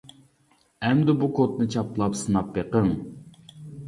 ئەمدى بۇ كودنى چاپلاپ سىناپ بېقىڭ!